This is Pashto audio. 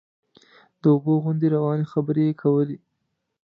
د اوبو غوندې روانې خبرې یې کولې.